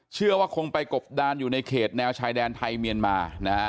เชื่อว่าคงไปกบดานอยู่ในเขตแนวชายแดนไทยเมียนมานะฮะ